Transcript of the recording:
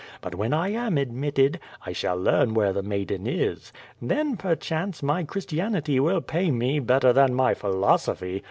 But when I am admitted, I shall learn where the maiden is. Then perchance my Christianity will pay me better than my philosophy.